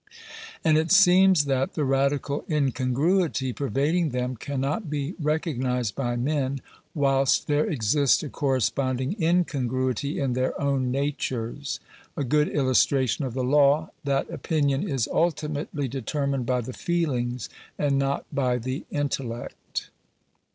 And it seems that the radical incon gruity pervading them cannot be recognized by men, whilst there exists a corresponding incongruity in their own natures : a good illustration of the law that opinion is ultimately deter mined by the feelings, and not by the intellect.